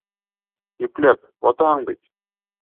Ипләп, ватаһың бит.